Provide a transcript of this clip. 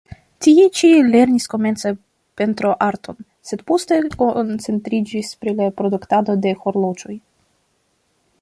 Tie ĉi lernis komence pentroarton, sed poste koncentriĝis pri produktado de horloĝoj.